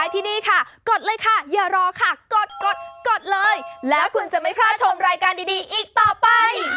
หลายเรื่องเลยนะคะ